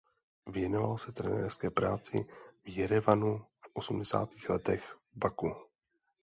Věnoval se trenérské práci v Jerevanu a v osmdesátých letech v Baku.